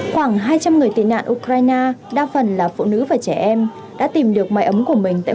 khoảng hai trăm linh người tị nạn ukraine đa phần là phụ nữ và trẻ em đã tìm được mái ấm của mình tại